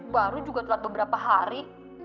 baru juga telat beberapa hari